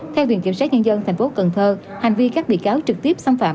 theo điện kiểm soát nhân dân thành phố cần thơ hành vi các bị cáo trực tiếp xâm phạm